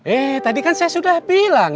eh tadi kan saya sudah bilang